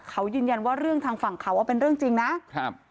เขายืนยันว่าเรื่องทางฝั่งเขาเป็นเรื่องจริงนะครับ